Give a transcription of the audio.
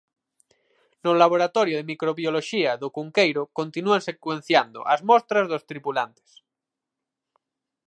No laboratorio de microbioloxía do Cunqueiro continúan secuenciando as mostras dos tripulantes.